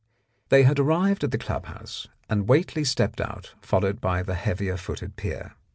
They had arrived at the club house, and Whately stepped out, followed by the heavier footed peer.